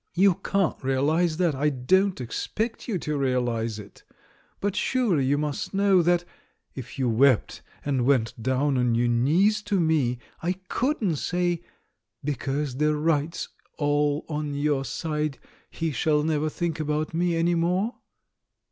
You can't realise that — I don't expect you to realise it ; but surely vou must know that — if you THE BISHOP'S COMEDY 359 wept and went down on your knees to me — I couldn't say, 'Because the right's all on your side, he shall never think about me any more'?"